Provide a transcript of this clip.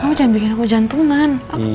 kamu jangan bikin aku jantungan aku takut